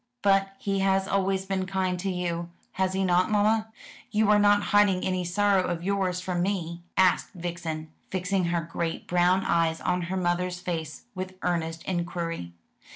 But he has always been kind to you, has he not, mamma? You are not hiding any sorrow of yours from me?' asked Vixen, fixing her great brown eyes on her mother's face with earnest inquiry.